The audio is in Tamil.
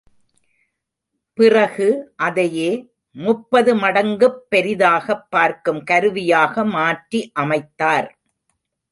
பிறகு அதையே முப்பது மடங்குப் பெரிதாகப் பார்க்கும் கருவியாக மாற்றி அமைத்தார்.